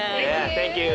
サンキュー。